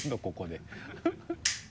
ここで。